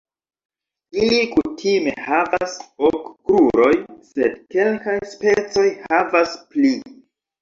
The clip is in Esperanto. Ili kutime havas ok kruroj, sed kelkaj specoj havas pli.